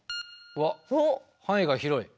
うわっ範囲が広い。